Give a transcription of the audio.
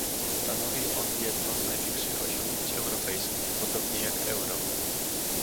Stanowi on jedno z najważniejszych osiągnięć europejskich, podobnie jak euro